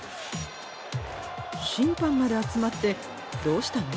審判まで集まってどうしたの？